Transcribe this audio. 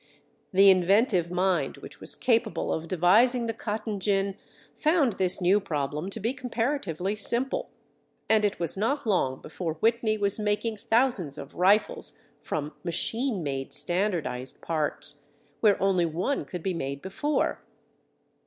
The inventive mind which was capable of devising the cotton gin found this new problem to be comparatively simple, and it was not long before Whitney was making thousands of rifles from machine made "standardized parts," where only one could be made before.